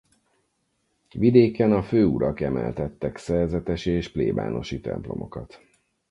Vidéken a főurak emeltettek szerzetesi és plébánosi templomokat.